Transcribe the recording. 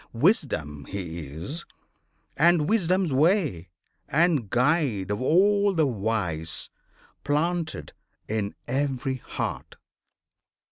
Wisdom He is And Wisdom's way, and Guide of all the wise, Planted in every heart.